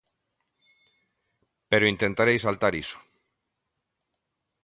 Pero intentarei saltar iso.